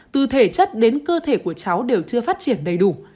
từ thể chất đến cơ thể của cháu đều chưa phát triển đầy đủ